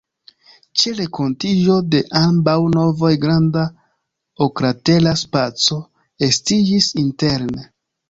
Ĉe renkontiĝo de ambaŭ navoj granda oklatera spaco estiĝis interne.